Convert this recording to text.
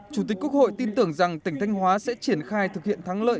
chủ tịch quốc hội tin tưởng rằng tỉnh thanh hóa sẽ triển khai thực hiện thắng lợi